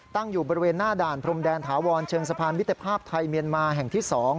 ตั้งอยู่บริเวณหน้าด่านพรมแดนถาวรเชิงสะพานมิตรภาพไทยเมียนมาแห่งที่๒